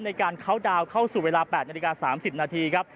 ในการเค้าท์ดาวน์เข้าสู่เวลา๘น๓๐นครับ